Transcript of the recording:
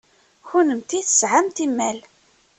Kennemti tesɛamt imal.